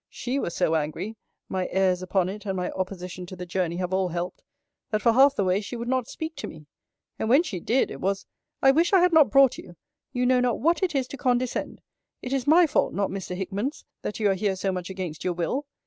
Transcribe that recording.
She was so angry, (my airs upon it, and my opposition to the journey, have all helped,) that for half the way she would not speak to me. And when she did, it was, I wish I had not brought you! You know not what it is to condescend. It is my fault, not Mr. Hickman's, that you are here so much against your will.